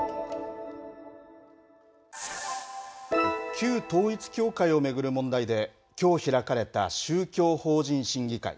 旧統一協会を巡る問題できょう開かれた宗教法人審議会。